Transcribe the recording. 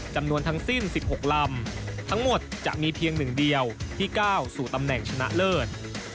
จำนวนทั้งสิ้น๑๖ลำทั้งหมดจะมีเพียงหนึ่งเดียวที่ก้าวสู่ตำแหน่งชนะเลิศ